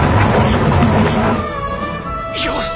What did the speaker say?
よし！